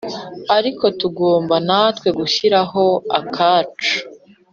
ariko tugomba natwe gushyiraho akacu.